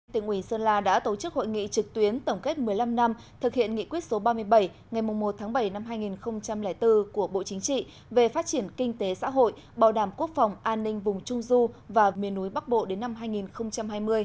tỉnh ủy sơn la đã tổ chức hội nghị trực tuyến tổng kết một mươi năm năm thực hiện nghị quyết số ba mươi bảy ngày một tháng bảy năm hai nghìn bốn của bộ chính trị về phát triển kinh tế xã hội bảo đảm quốc phòng an ninh vùng trung du và miền núi bắc bộ đến năm hai nghìn hai mươi